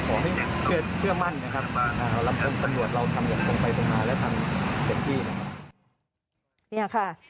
ขอให้เชื่อมั่นรำคงสำรวจเราทำอย่างตรงไปตรงมาและทำเจ็บที่